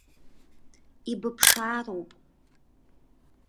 Ибыԥшаароуп.